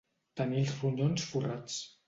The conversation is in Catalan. Tenir els ronyons forrats.